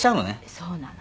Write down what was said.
「そうなの」